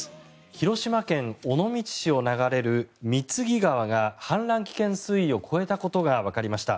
広島県尾道市を流れる御調川が氾濫危険水位を超えたことがわかりました。